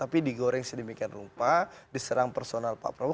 tapi digoreng sedemikian rupa diserang personal pak prabowo